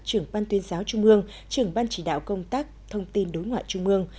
trưởng ban tuyên giáo trung ương trưởng ban chỉ đạo công tác thông tin đối ngoại trung mương